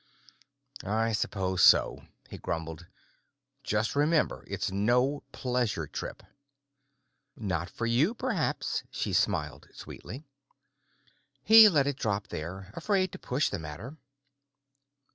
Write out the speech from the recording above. "I suppose so," he grumbled. "Just remember it's no pleasure trip." "Not for you, perhaps," she smiled sweetly. He let it drop there, afraid to push the matter.